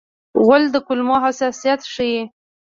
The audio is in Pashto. غول د کولمو حساسیت ښيي.